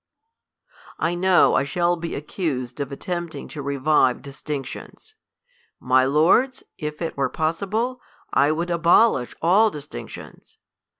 I know I shall be accused of attempting to revive distinctions. My lords, if it were possible, T would abolish all distinctions.